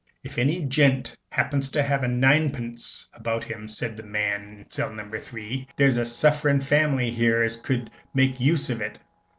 "If any gent happens to have a ninepence about him," said the man in cell No. 3, "there's a sufferin' family here as could make use of it.